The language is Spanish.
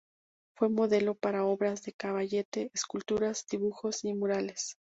Fue modelo para obras de caballete, esculturas, dibujos y murales.